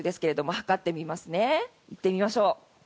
いってみましょう。